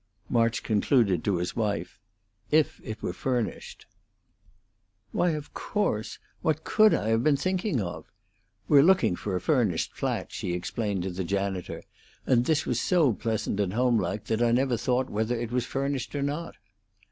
March concluded to his wife, "If it were furnished." "Why, of course! What could I have been thinking of? We're looking for a furnished flat," she explained to the janitor, "and this was so pleasant and homelike that I never thought whether it was furnished or not."